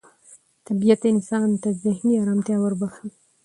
طبیعت انسان ته ذهني ارامتیا وربخښي